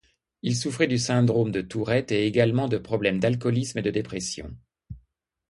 Il souffrait du syndrome de Tourette et également de problèmes d'alcoolisme et de dépression.